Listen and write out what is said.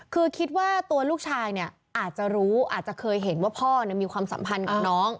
คือคิดว่าตัวลูกชายเนี่ยอาจจะรู้อาจจะเคยเห็นว่าพ่อมีความสัมพันธ์กับน้อง